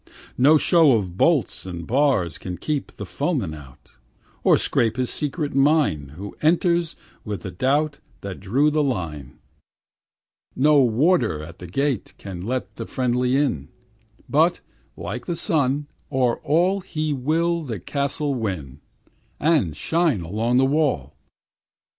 No show of bolts and bars Can keep the foeman out, Or 'scape his secret mine, Who entered with the doubt That drew the line. No warder at the gate Can let the friendly in; But, like the sun, o'er all He will the castle win, And shine along the wall.